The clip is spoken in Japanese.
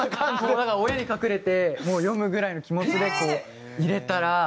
だから親に隠れて読むぐらいの気持ちでこう入れたらその。